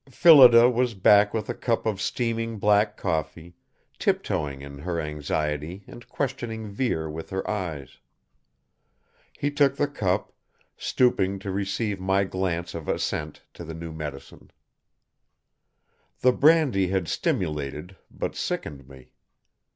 Phillida was back with a cup of steaming black coffee, tiptoeing in her anxiety and questioning Vere with her eyes. He took the cup, stooping to receive my glance of assent to the new medicine. The brandy had stimulated, but sickened me.